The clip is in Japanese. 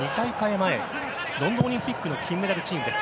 前ロンドンオリンピックの金メダルチームです。